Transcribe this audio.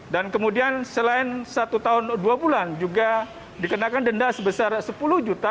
dan kemudian selain satu tahun dua bulan juga dikenakan denda sebesar sepuluh juta